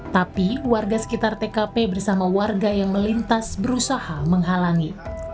tapi warga sekitar tkp bersama warga yang melintas berusaha menghalangi